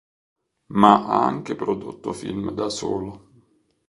Ma ha anche prodotto film da solo.